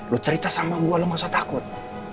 lo cerita sama gue lo masa takut